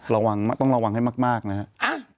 ระวังต้องระวังให้มากนะครับ